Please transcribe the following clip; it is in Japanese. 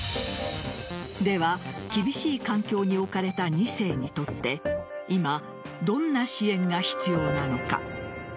では、厳しい環境に置かれた２世にとって今、どんな支援が必要なのか。